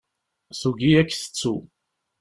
Tugi ad k-tettu.